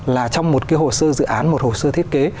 là trong một cái hồ sơ dự án một hồ sơ thiết kế